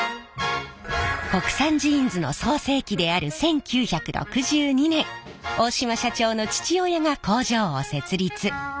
国産ジーンズの創成期である１９６２年大島社長の父親が工場を設立。